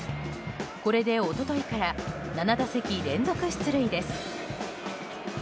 これで一昨日から７打席連続出塁です。